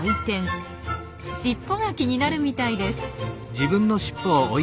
しっぽが気になるみたいです。